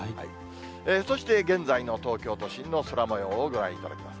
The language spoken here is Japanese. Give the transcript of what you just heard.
そして現在の東京都心の空もようをご覧いただきます。